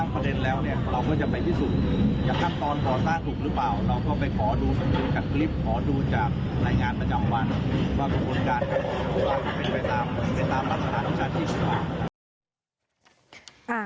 เป็นตามลักษณะทุกชาติที่สุดท้าย